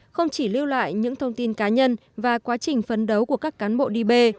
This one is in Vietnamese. không chỉ lưu lại những thông tin cá nhân và quá trình phấn đấu của các cán bộ đi bê